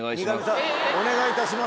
お願いいたします。